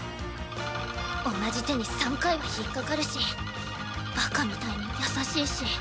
同じ手に３回は引っかかるしバカみたいに優しいし